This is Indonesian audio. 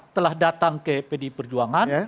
telah datang ke pdi perjuangan